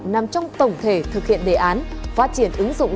nằm trong tổng thể thực hiện đề án phát triển ứng dụng